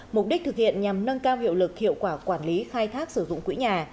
mục đích thực hiện nhằm nâng cao hiệu lực hiệu quả quản lý khai thác sử dụng quỹ nhà